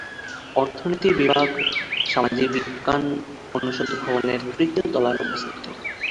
অর্থনীতি বিভাগ সামাজিক বিজ্ঞান অনুষদ ভবনের তৃতীয় তলায় অবস্থিত।